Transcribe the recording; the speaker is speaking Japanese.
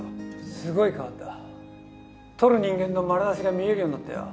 すごい変わった撮る人間のまなざしが見えるようになったよ